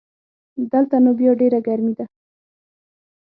دلته نو بیا ډېره ګرمي ده